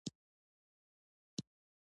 د بلوڅانو سیمې په سویل لویدیځ کې دي